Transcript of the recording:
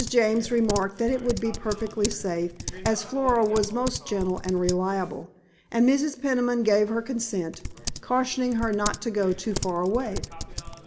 James remarked that it would be perfectly safe, as Flora was most gentle and reliable, and Mrs. Peniman gave her consent, cautioning her not to go too far away.